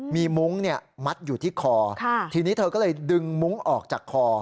มีมุ้งมัดอยู่ที่คอทีนี้เธอก็เลยดึงมุ้งออกจากคอ